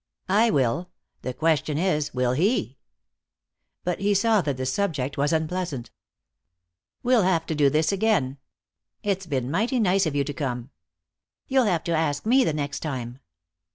"I will. The question is, will he?" But he saw that the subject was unpleasant. "We'll have to do this again. It's been mighty nice of you to come." "You'll have to ask me, the next time."